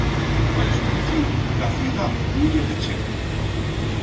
A l'escureciu, la ciudat bulle de chent.